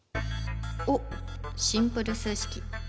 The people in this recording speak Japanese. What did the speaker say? おっシンプル数式！